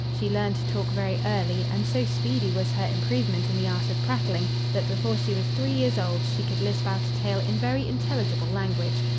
She learned to talk very early, and so speedy was her improvement in the art of prattling, that, before she was three years old, she could lisp out a tale in very intelligible language.